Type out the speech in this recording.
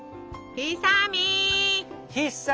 ひさみん。